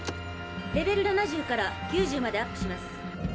レベル７０から９０までアップします。